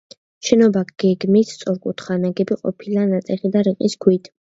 შენობა გეგმით სწორკუთხაა, ნაგები ყოფილა ნატეხი და რიყის ქვით.